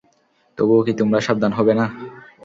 তবুও কি তোমরা সাবধান হবে না।